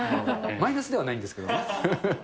マイナスではないんですけどね。